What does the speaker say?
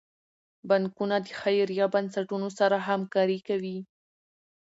بانکونه د خیریه بنسټونو سره همکاري کوي.